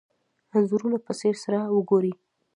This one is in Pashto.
انځورونه په ځیر سره وګورئ.